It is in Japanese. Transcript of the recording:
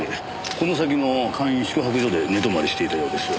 この先の簡易宿泊所で寝泊まりしていたようです。